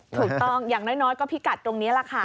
ถูกต้องอย่างน้อยก็พิกัดตรงนี้แหละค่ะ